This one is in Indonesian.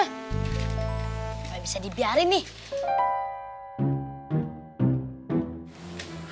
supaya bisa dibiarin nih